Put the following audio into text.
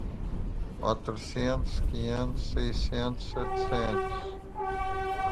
Quatrocentos, quinhentos, seiscentos, setecentos